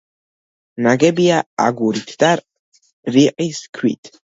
ნაგებია აგურით და რიყის ქვით.